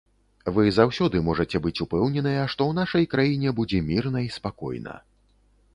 Вы заўсёды можаце быць упэўненыя, што ў нашай краіне будзе мірна і спакойна.